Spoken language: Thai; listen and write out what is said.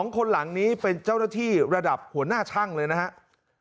๒คนหลังนี้เป็นเจ้าหน้าที่ระดับหัวหน้าช่างเลยนะครับ